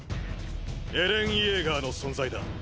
エレン・イェーガーの存在だ。